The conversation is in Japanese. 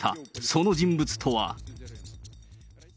その人物とは。